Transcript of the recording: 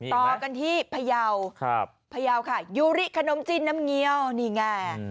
ต่อกันที่พยาวพยาวค่ะยูริขนมจีนน้ำเงี้ยวนี่ไง